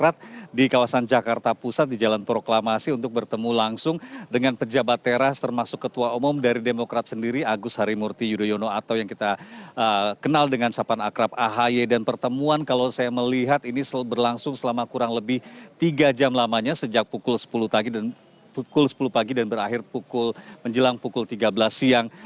tiga jam lamanya sejak pukul sepuluh pagi dan berakhir menjelang pukul tiga belas siang